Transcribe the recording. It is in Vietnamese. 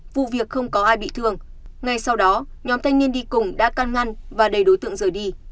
vụ việc không có ai bị thương ngay sau đó nhóm thanh niên đi cùng đã can ngăn và đầy đối tượng rời đi